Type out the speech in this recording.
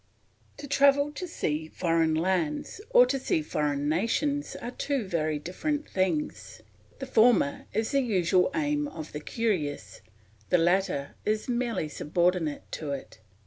To travel to see foreign lands or to see foreign nations are two very different things. The former is the usual aim of the curious, the latter is merely subordinate to it.